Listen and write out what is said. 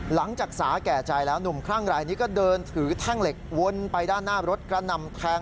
หลังจากสาแก่ใจแล้วหนุ่มคลั่งรายนี้ก็เดินถือแท่งเหล็กวนไปด้านหน้ารถกระหน่ำแทง